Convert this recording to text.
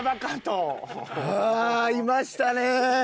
ああいましたね！